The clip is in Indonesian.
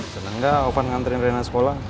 seneng gak ovan ngantarin rina sekolah